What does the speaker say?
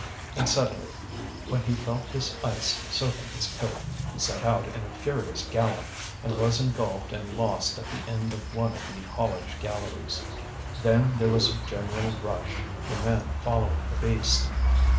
And suddenly, when he felt this ice soaking his coat, he set out in a furious gallop, and was engulfed and lost at the end of one of the haulage galleries. Then there was a general rush, the men following the beast.